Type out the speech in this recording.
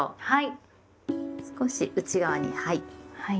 はい。